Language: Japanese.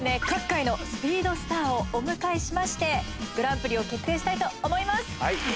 各界のスピードスターをお迎えしましてグランプリを決定したいと思います。